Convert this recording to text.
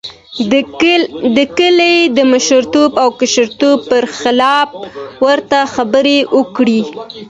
د کلي د مشرتوب او کشرتوب پر خلاف ورته خبرې وکړې.